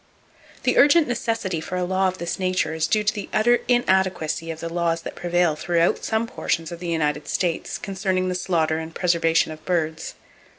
The urgent necessity for a law of this nature is due to the utter inadequacy of the laws that prevail throughout some portions of the United States concerning the slaughter and preservation of birds.